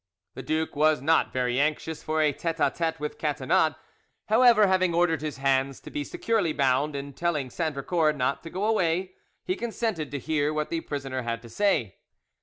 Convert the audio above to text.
The duke was not very anxious for a tete a tete with Catinat; however, having ordered his hands to be securely bound, and telling Sandricourt not to go away, he consented to hear what the prisoner had to say.